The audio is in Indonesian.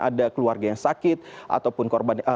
ada keluarga yang sakit ataupun korban